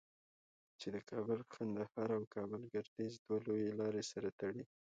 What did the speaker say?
چې د کابل قندهار او کابل گردیز دوه لویې لارې سره تړي.